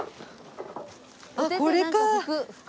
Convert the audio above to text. あっこれか！